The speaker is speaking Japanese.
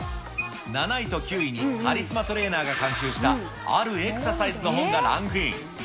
７位と９位にカリスマトレーナーが監修したあるエクササイズの本がランクイン。